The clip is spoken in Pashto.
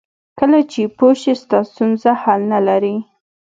کله چې پوه شې ستا ستونزه حل نه لري.